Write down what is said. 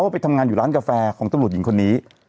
ไปทำงานอยู่ร้านกาแฟของตำรวจหญิงคนนี้